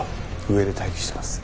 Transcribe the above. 上で待機してます。